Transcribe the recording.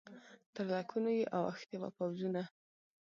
تر لکونو یې اوښتي وه پوځونه